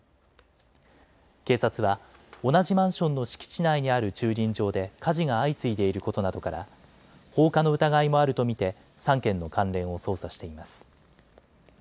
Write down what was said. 警察は同じマンションの敷地内にある駐輪場で火事が相次いでいることなどから放火の疑いもあると見て３件の関連を捜査しています。